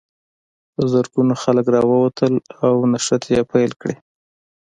په زرګونو خلک راووتل او نښتې یې پیل کړې.